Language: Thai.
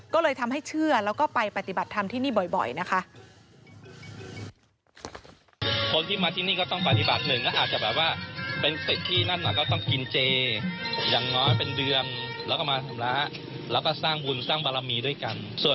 ก็เลยทำให้เชื่อแล้วก็ไปปฏิบัติธรรมที่นี่บ่อยนะคะ